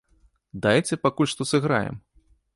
Дайце пакуль што сыграем!